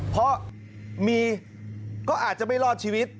เพราะมีก็อาจจะไม่รอดชีวิต